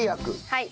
はい。